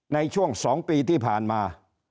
ในช่วง๒ปีที่ผ่านมา